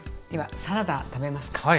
ではサラダ食べますか？